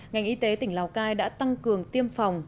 ngành y tế tỉnh lào cai đã tăng cường tiêm phòng